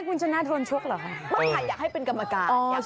คุณชะนาน่าเป็นกรรมการ